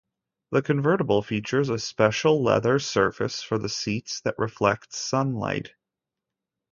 The convertible features a special leather surface for the seats that reflects sunlight.